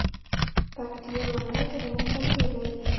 پکتیا ولایت غني کلتور لري